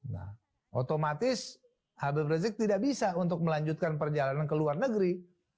nah otomatis habib rizik tidak bisa untuk melanjutkan perjalanan ke luar negeri